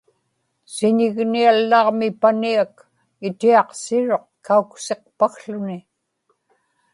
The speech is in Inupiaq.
siñigniallaġmi paniak itiaqsiruq kauksiqpakłuni